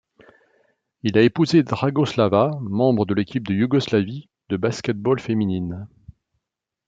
Il a épousé Dragoslava, membre de l'équipe de Yougoslavie de basket ball féminine.